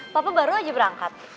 papa baru aja berangkat